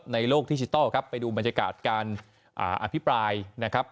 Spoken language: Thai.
โลกดิจิทัลครับไปดูบรรยากาศการอภิปรายนะครับ